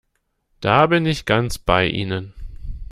Da bin ich ganz bei Ihnen!